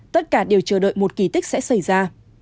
tất cả đều chờ đợi một kỳ tích sẽ xảy ra